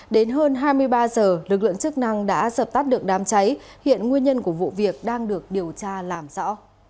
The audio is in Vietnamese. đến hơn hai mươi ba giờ lực lượng chức năng đã dập tắt được đám cháy hiện nguyên nhân của vụ việc đang được điều tra làm rõ